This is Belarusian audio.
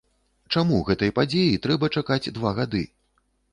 Чаму гэтай падзеі трэба чакаць два гады?